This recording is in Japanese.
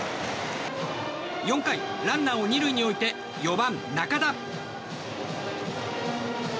４回、ランナーを２塁へ置いて４番、仲田。